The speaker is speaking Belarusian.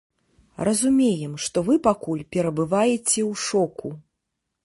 Разумеем, што вы пакуль перабываеце ў шоку.